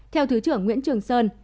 theo thứ trưởng nguyễn trường sơn